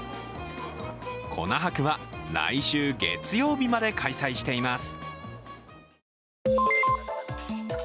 粉博は来週月曜日まで開催しています。